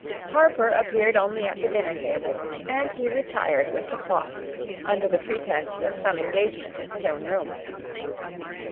Harper appeared only at the dinner table, and he retired with the cloth, under the pretense of some engagement in his own room.